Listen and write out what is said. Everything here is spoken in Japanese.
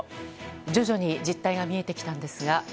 徐々に実態が見えてきたんですが。